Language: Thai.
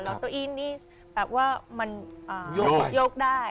แล้วตัวอี้นี้แบบว่ามันยกได้